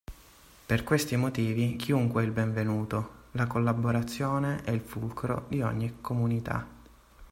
Per questi motivi chiunque è il benvenuto: la collaborazione è il fulcro di ogni comunità.